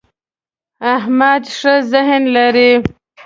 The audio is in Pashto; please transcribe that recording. احمد ښه ذهن لري.